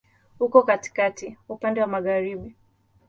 Uko katikati, upande wa magharibi.